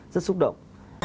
rất xúc động